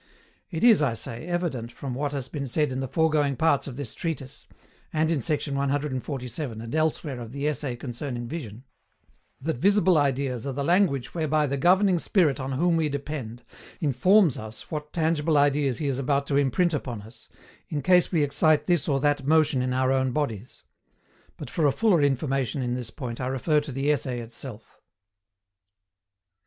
It is, I say, evident from what has been said in the foregoing parts of this Treatise, and in sect. 147 and elsewhere of the Essay concerning Vision, that visible ideas are the Language whereby the governing Spirit on whom we depend informs us what tangible ideas he is about to imprint upon us, in case we excite this or that motion in our own bodies. But for a fuller information in this point I refer to the Essay itself.